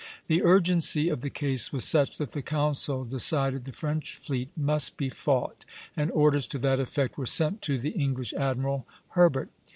The urgency of the case was such that the council decided the French fleet must be fought, and orders to that effect were sent to the English admiral, Herbert.